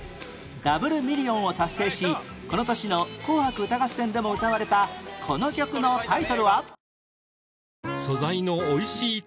ダブルミリオンを達成しこの年の『紅白歌合戦』でも歌われたこの曲のタイトルは？